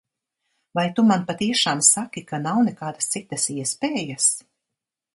Vai tu man patiešām saki, ka nav nekādas citas iespējas?